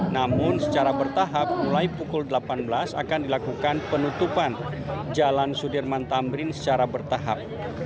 namun secara bertahap mulai pukul delapan belas akan dilakukan penutupan jalan sudirman tamrin secara bertahap